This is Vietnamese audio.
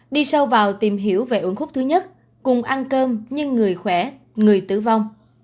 đi sâu vào tìm hiểu về uốn khúc thứ nhất cùng ăn cơm nhưng người khỏe người tử vong